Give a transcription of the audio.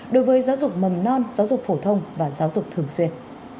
đối với giáo dục mầm non giáo dục phổ thông và giáo dục thường xuyên